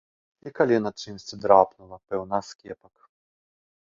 І калена чымсьці драпнула, пэўна аскепак.